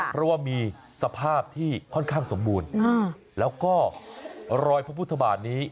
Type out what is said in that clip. เพราะว่ามีสภาพที่ค่อนข้างสมบูรณ์แล้วก็รอยพระพุทธบาทนี้